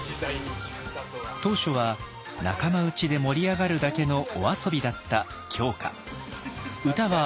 当初は仲間内で盛り上がるだけのお遊びだった狂歌。